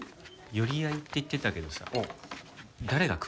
寄り合いって言ってたけどさ誰が来るの？